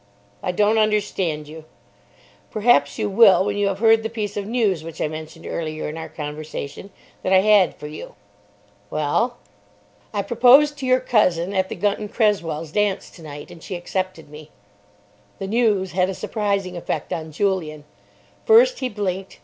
"I don't understand you." "Perhaps you will when you have heard the piece of news which I mentioned earlier in our conversation that I had for you." "Well?" "I proposed to your cousin at the Gunton Cresswells's dance tonight, and she accepted me." The news had a surprising effect on Julian. First he blinked.